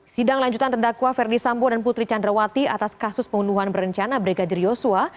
sidang lanjutan terdakwa ferdi sambo dan putri candrawati atas kasus pembunuhan berencana brigadir yosua